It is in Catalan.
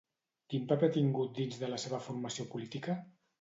Quin paper ha tingut dins de la seva formació política?